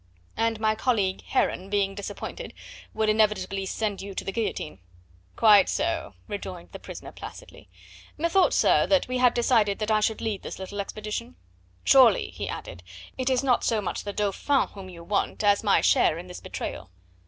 "And my colleague Heron, being disappointed, would inevitably send you to the guillotine." "Quite so," rejoined the prisoner placidly. "Methought, sir, that we had decided that I should lead this little expedition? Surely," he added, "it is not so much the Dauphin whom you want as my share in this betrayal."